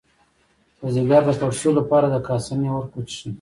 د ځیګر د پړسوب لپاره د کاسني عرق وڅښئ